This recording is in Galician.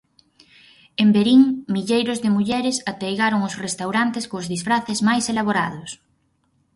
En Verín milleiros de mulleres ateigaron os restaurantes cos disfraces máis elaborados.